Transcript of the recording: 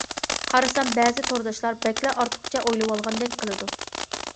قارىسام بەزى تورداشلار بەكلا ئارتۇقچە ئويلىۋالغاندەك قىلىدۇ.